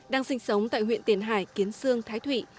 đang sinh sống tại huyện tiền hải kiến sương thái thụy